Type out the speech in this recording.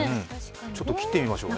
ちょっと切ってみましょうね。